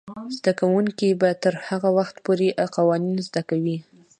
زده کوونکې به تر هغه وخته پورې قوانین زده کوي.